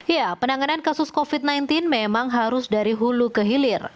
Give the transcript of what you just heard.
ya penanganan kasus covid sembilan belas memang harus dari hulu ke hilir